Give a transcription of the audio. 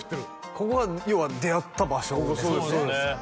ここが要は出会った場所そうですね